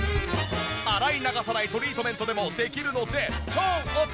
洗い流さないトリートメントでもできるので超お手軽です！